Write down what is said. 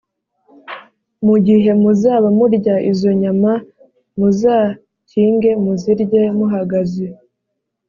Mugihe muzaba murya izo nyama muzakinge muzirye muhagaze